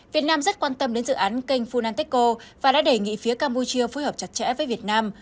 việt nam rất quan tâm đến dự án kênh funantechco và đã đề nghị phía campuchia phối hợp chặt chẽ với việt nam